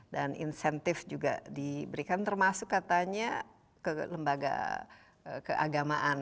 dan insentif juga diberikan termasuk katanya ke lembaga keagamaan